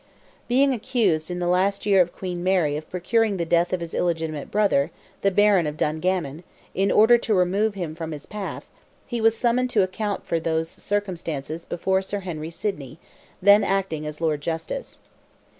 Being accused in the last year of Queen Mary of procuring the death of his illegitimate brother, the Baron of Dungannon, in order to remove him from his path, he was summoned to account for those circumstances before Sir Henry Sidney, then acting as Lord Justice.